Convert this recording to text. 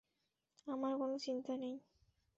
আমার কোনো চিন্তা নেই।